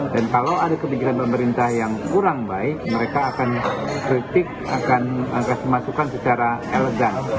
dan kalau ada kebijakan pemerintah yang kurang baik mereka akan kritik akan kasih masukan secara elegan